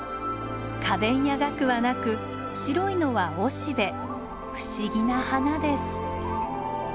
花弁やがくはなく白いのは雄しべ不思議な花です。